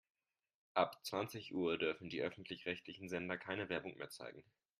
Ab zwanzig Uhr dürfen die öffentlich-rechtlichen Sender keine Werbung mehr zeigen.